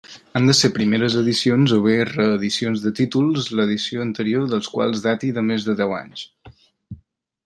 Han de ser primeres edicions, o bé reedicions de títols l'edició anterior dels quals dati de més de deu anys.